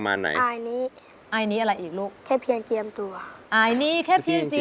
อยากให้เราเปิดให้ฟังท่อนไหน